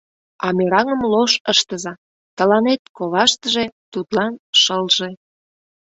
А мераҥым лош ыштыза: тыланет — коваштыже, тудлан — шылже.